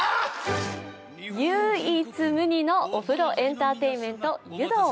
“湯”一無二のエンターテインメント「湯道」。